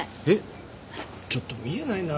ちょっと見えないな。